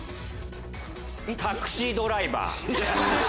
『タクシードライバー』。